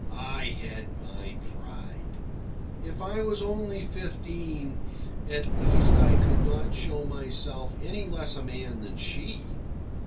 I had my pride. If I was only fifteen, at least I could not show myself any less a man than she.